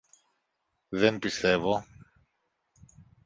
Δεν πιστεύω.